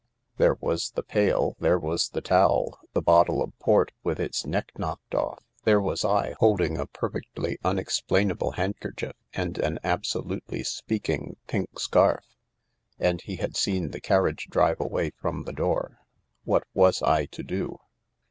There was the pail, there was the towel, the bottle of port with its neck knocked off. There was I, holding a perfectly unexplainable handkerchief and an absolutely speaking pink scarf. And he had seen the carriage drive away from the door I What was I to do